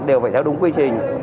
đều phải theo đúng quy trình